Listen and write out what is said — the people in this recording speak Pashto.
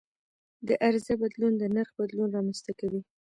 د عرضه بدلون د نرخ بدلون رامنځته کوي.